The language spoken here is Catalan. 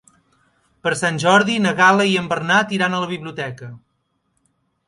Per Sant Jordi na Gal·la i en Bernat iran a la biblioteca.